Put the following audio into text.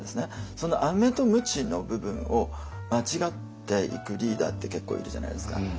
そのアメとムチの部分を間違っていくリーダーって結構いるじゃないですか。